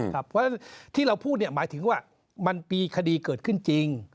เพราะฉะนั้นที่เราพูดหมายถึงว่ามันมีคดีเกิดขึ้นจริง